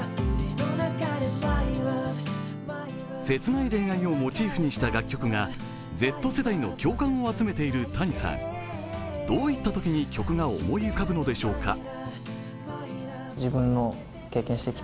切ない恋愛をモチーフにした楽曲がＺ世代の共感を集めているＴａｎｉさんどういったときに、曲が思い浮かぶのでしょうか。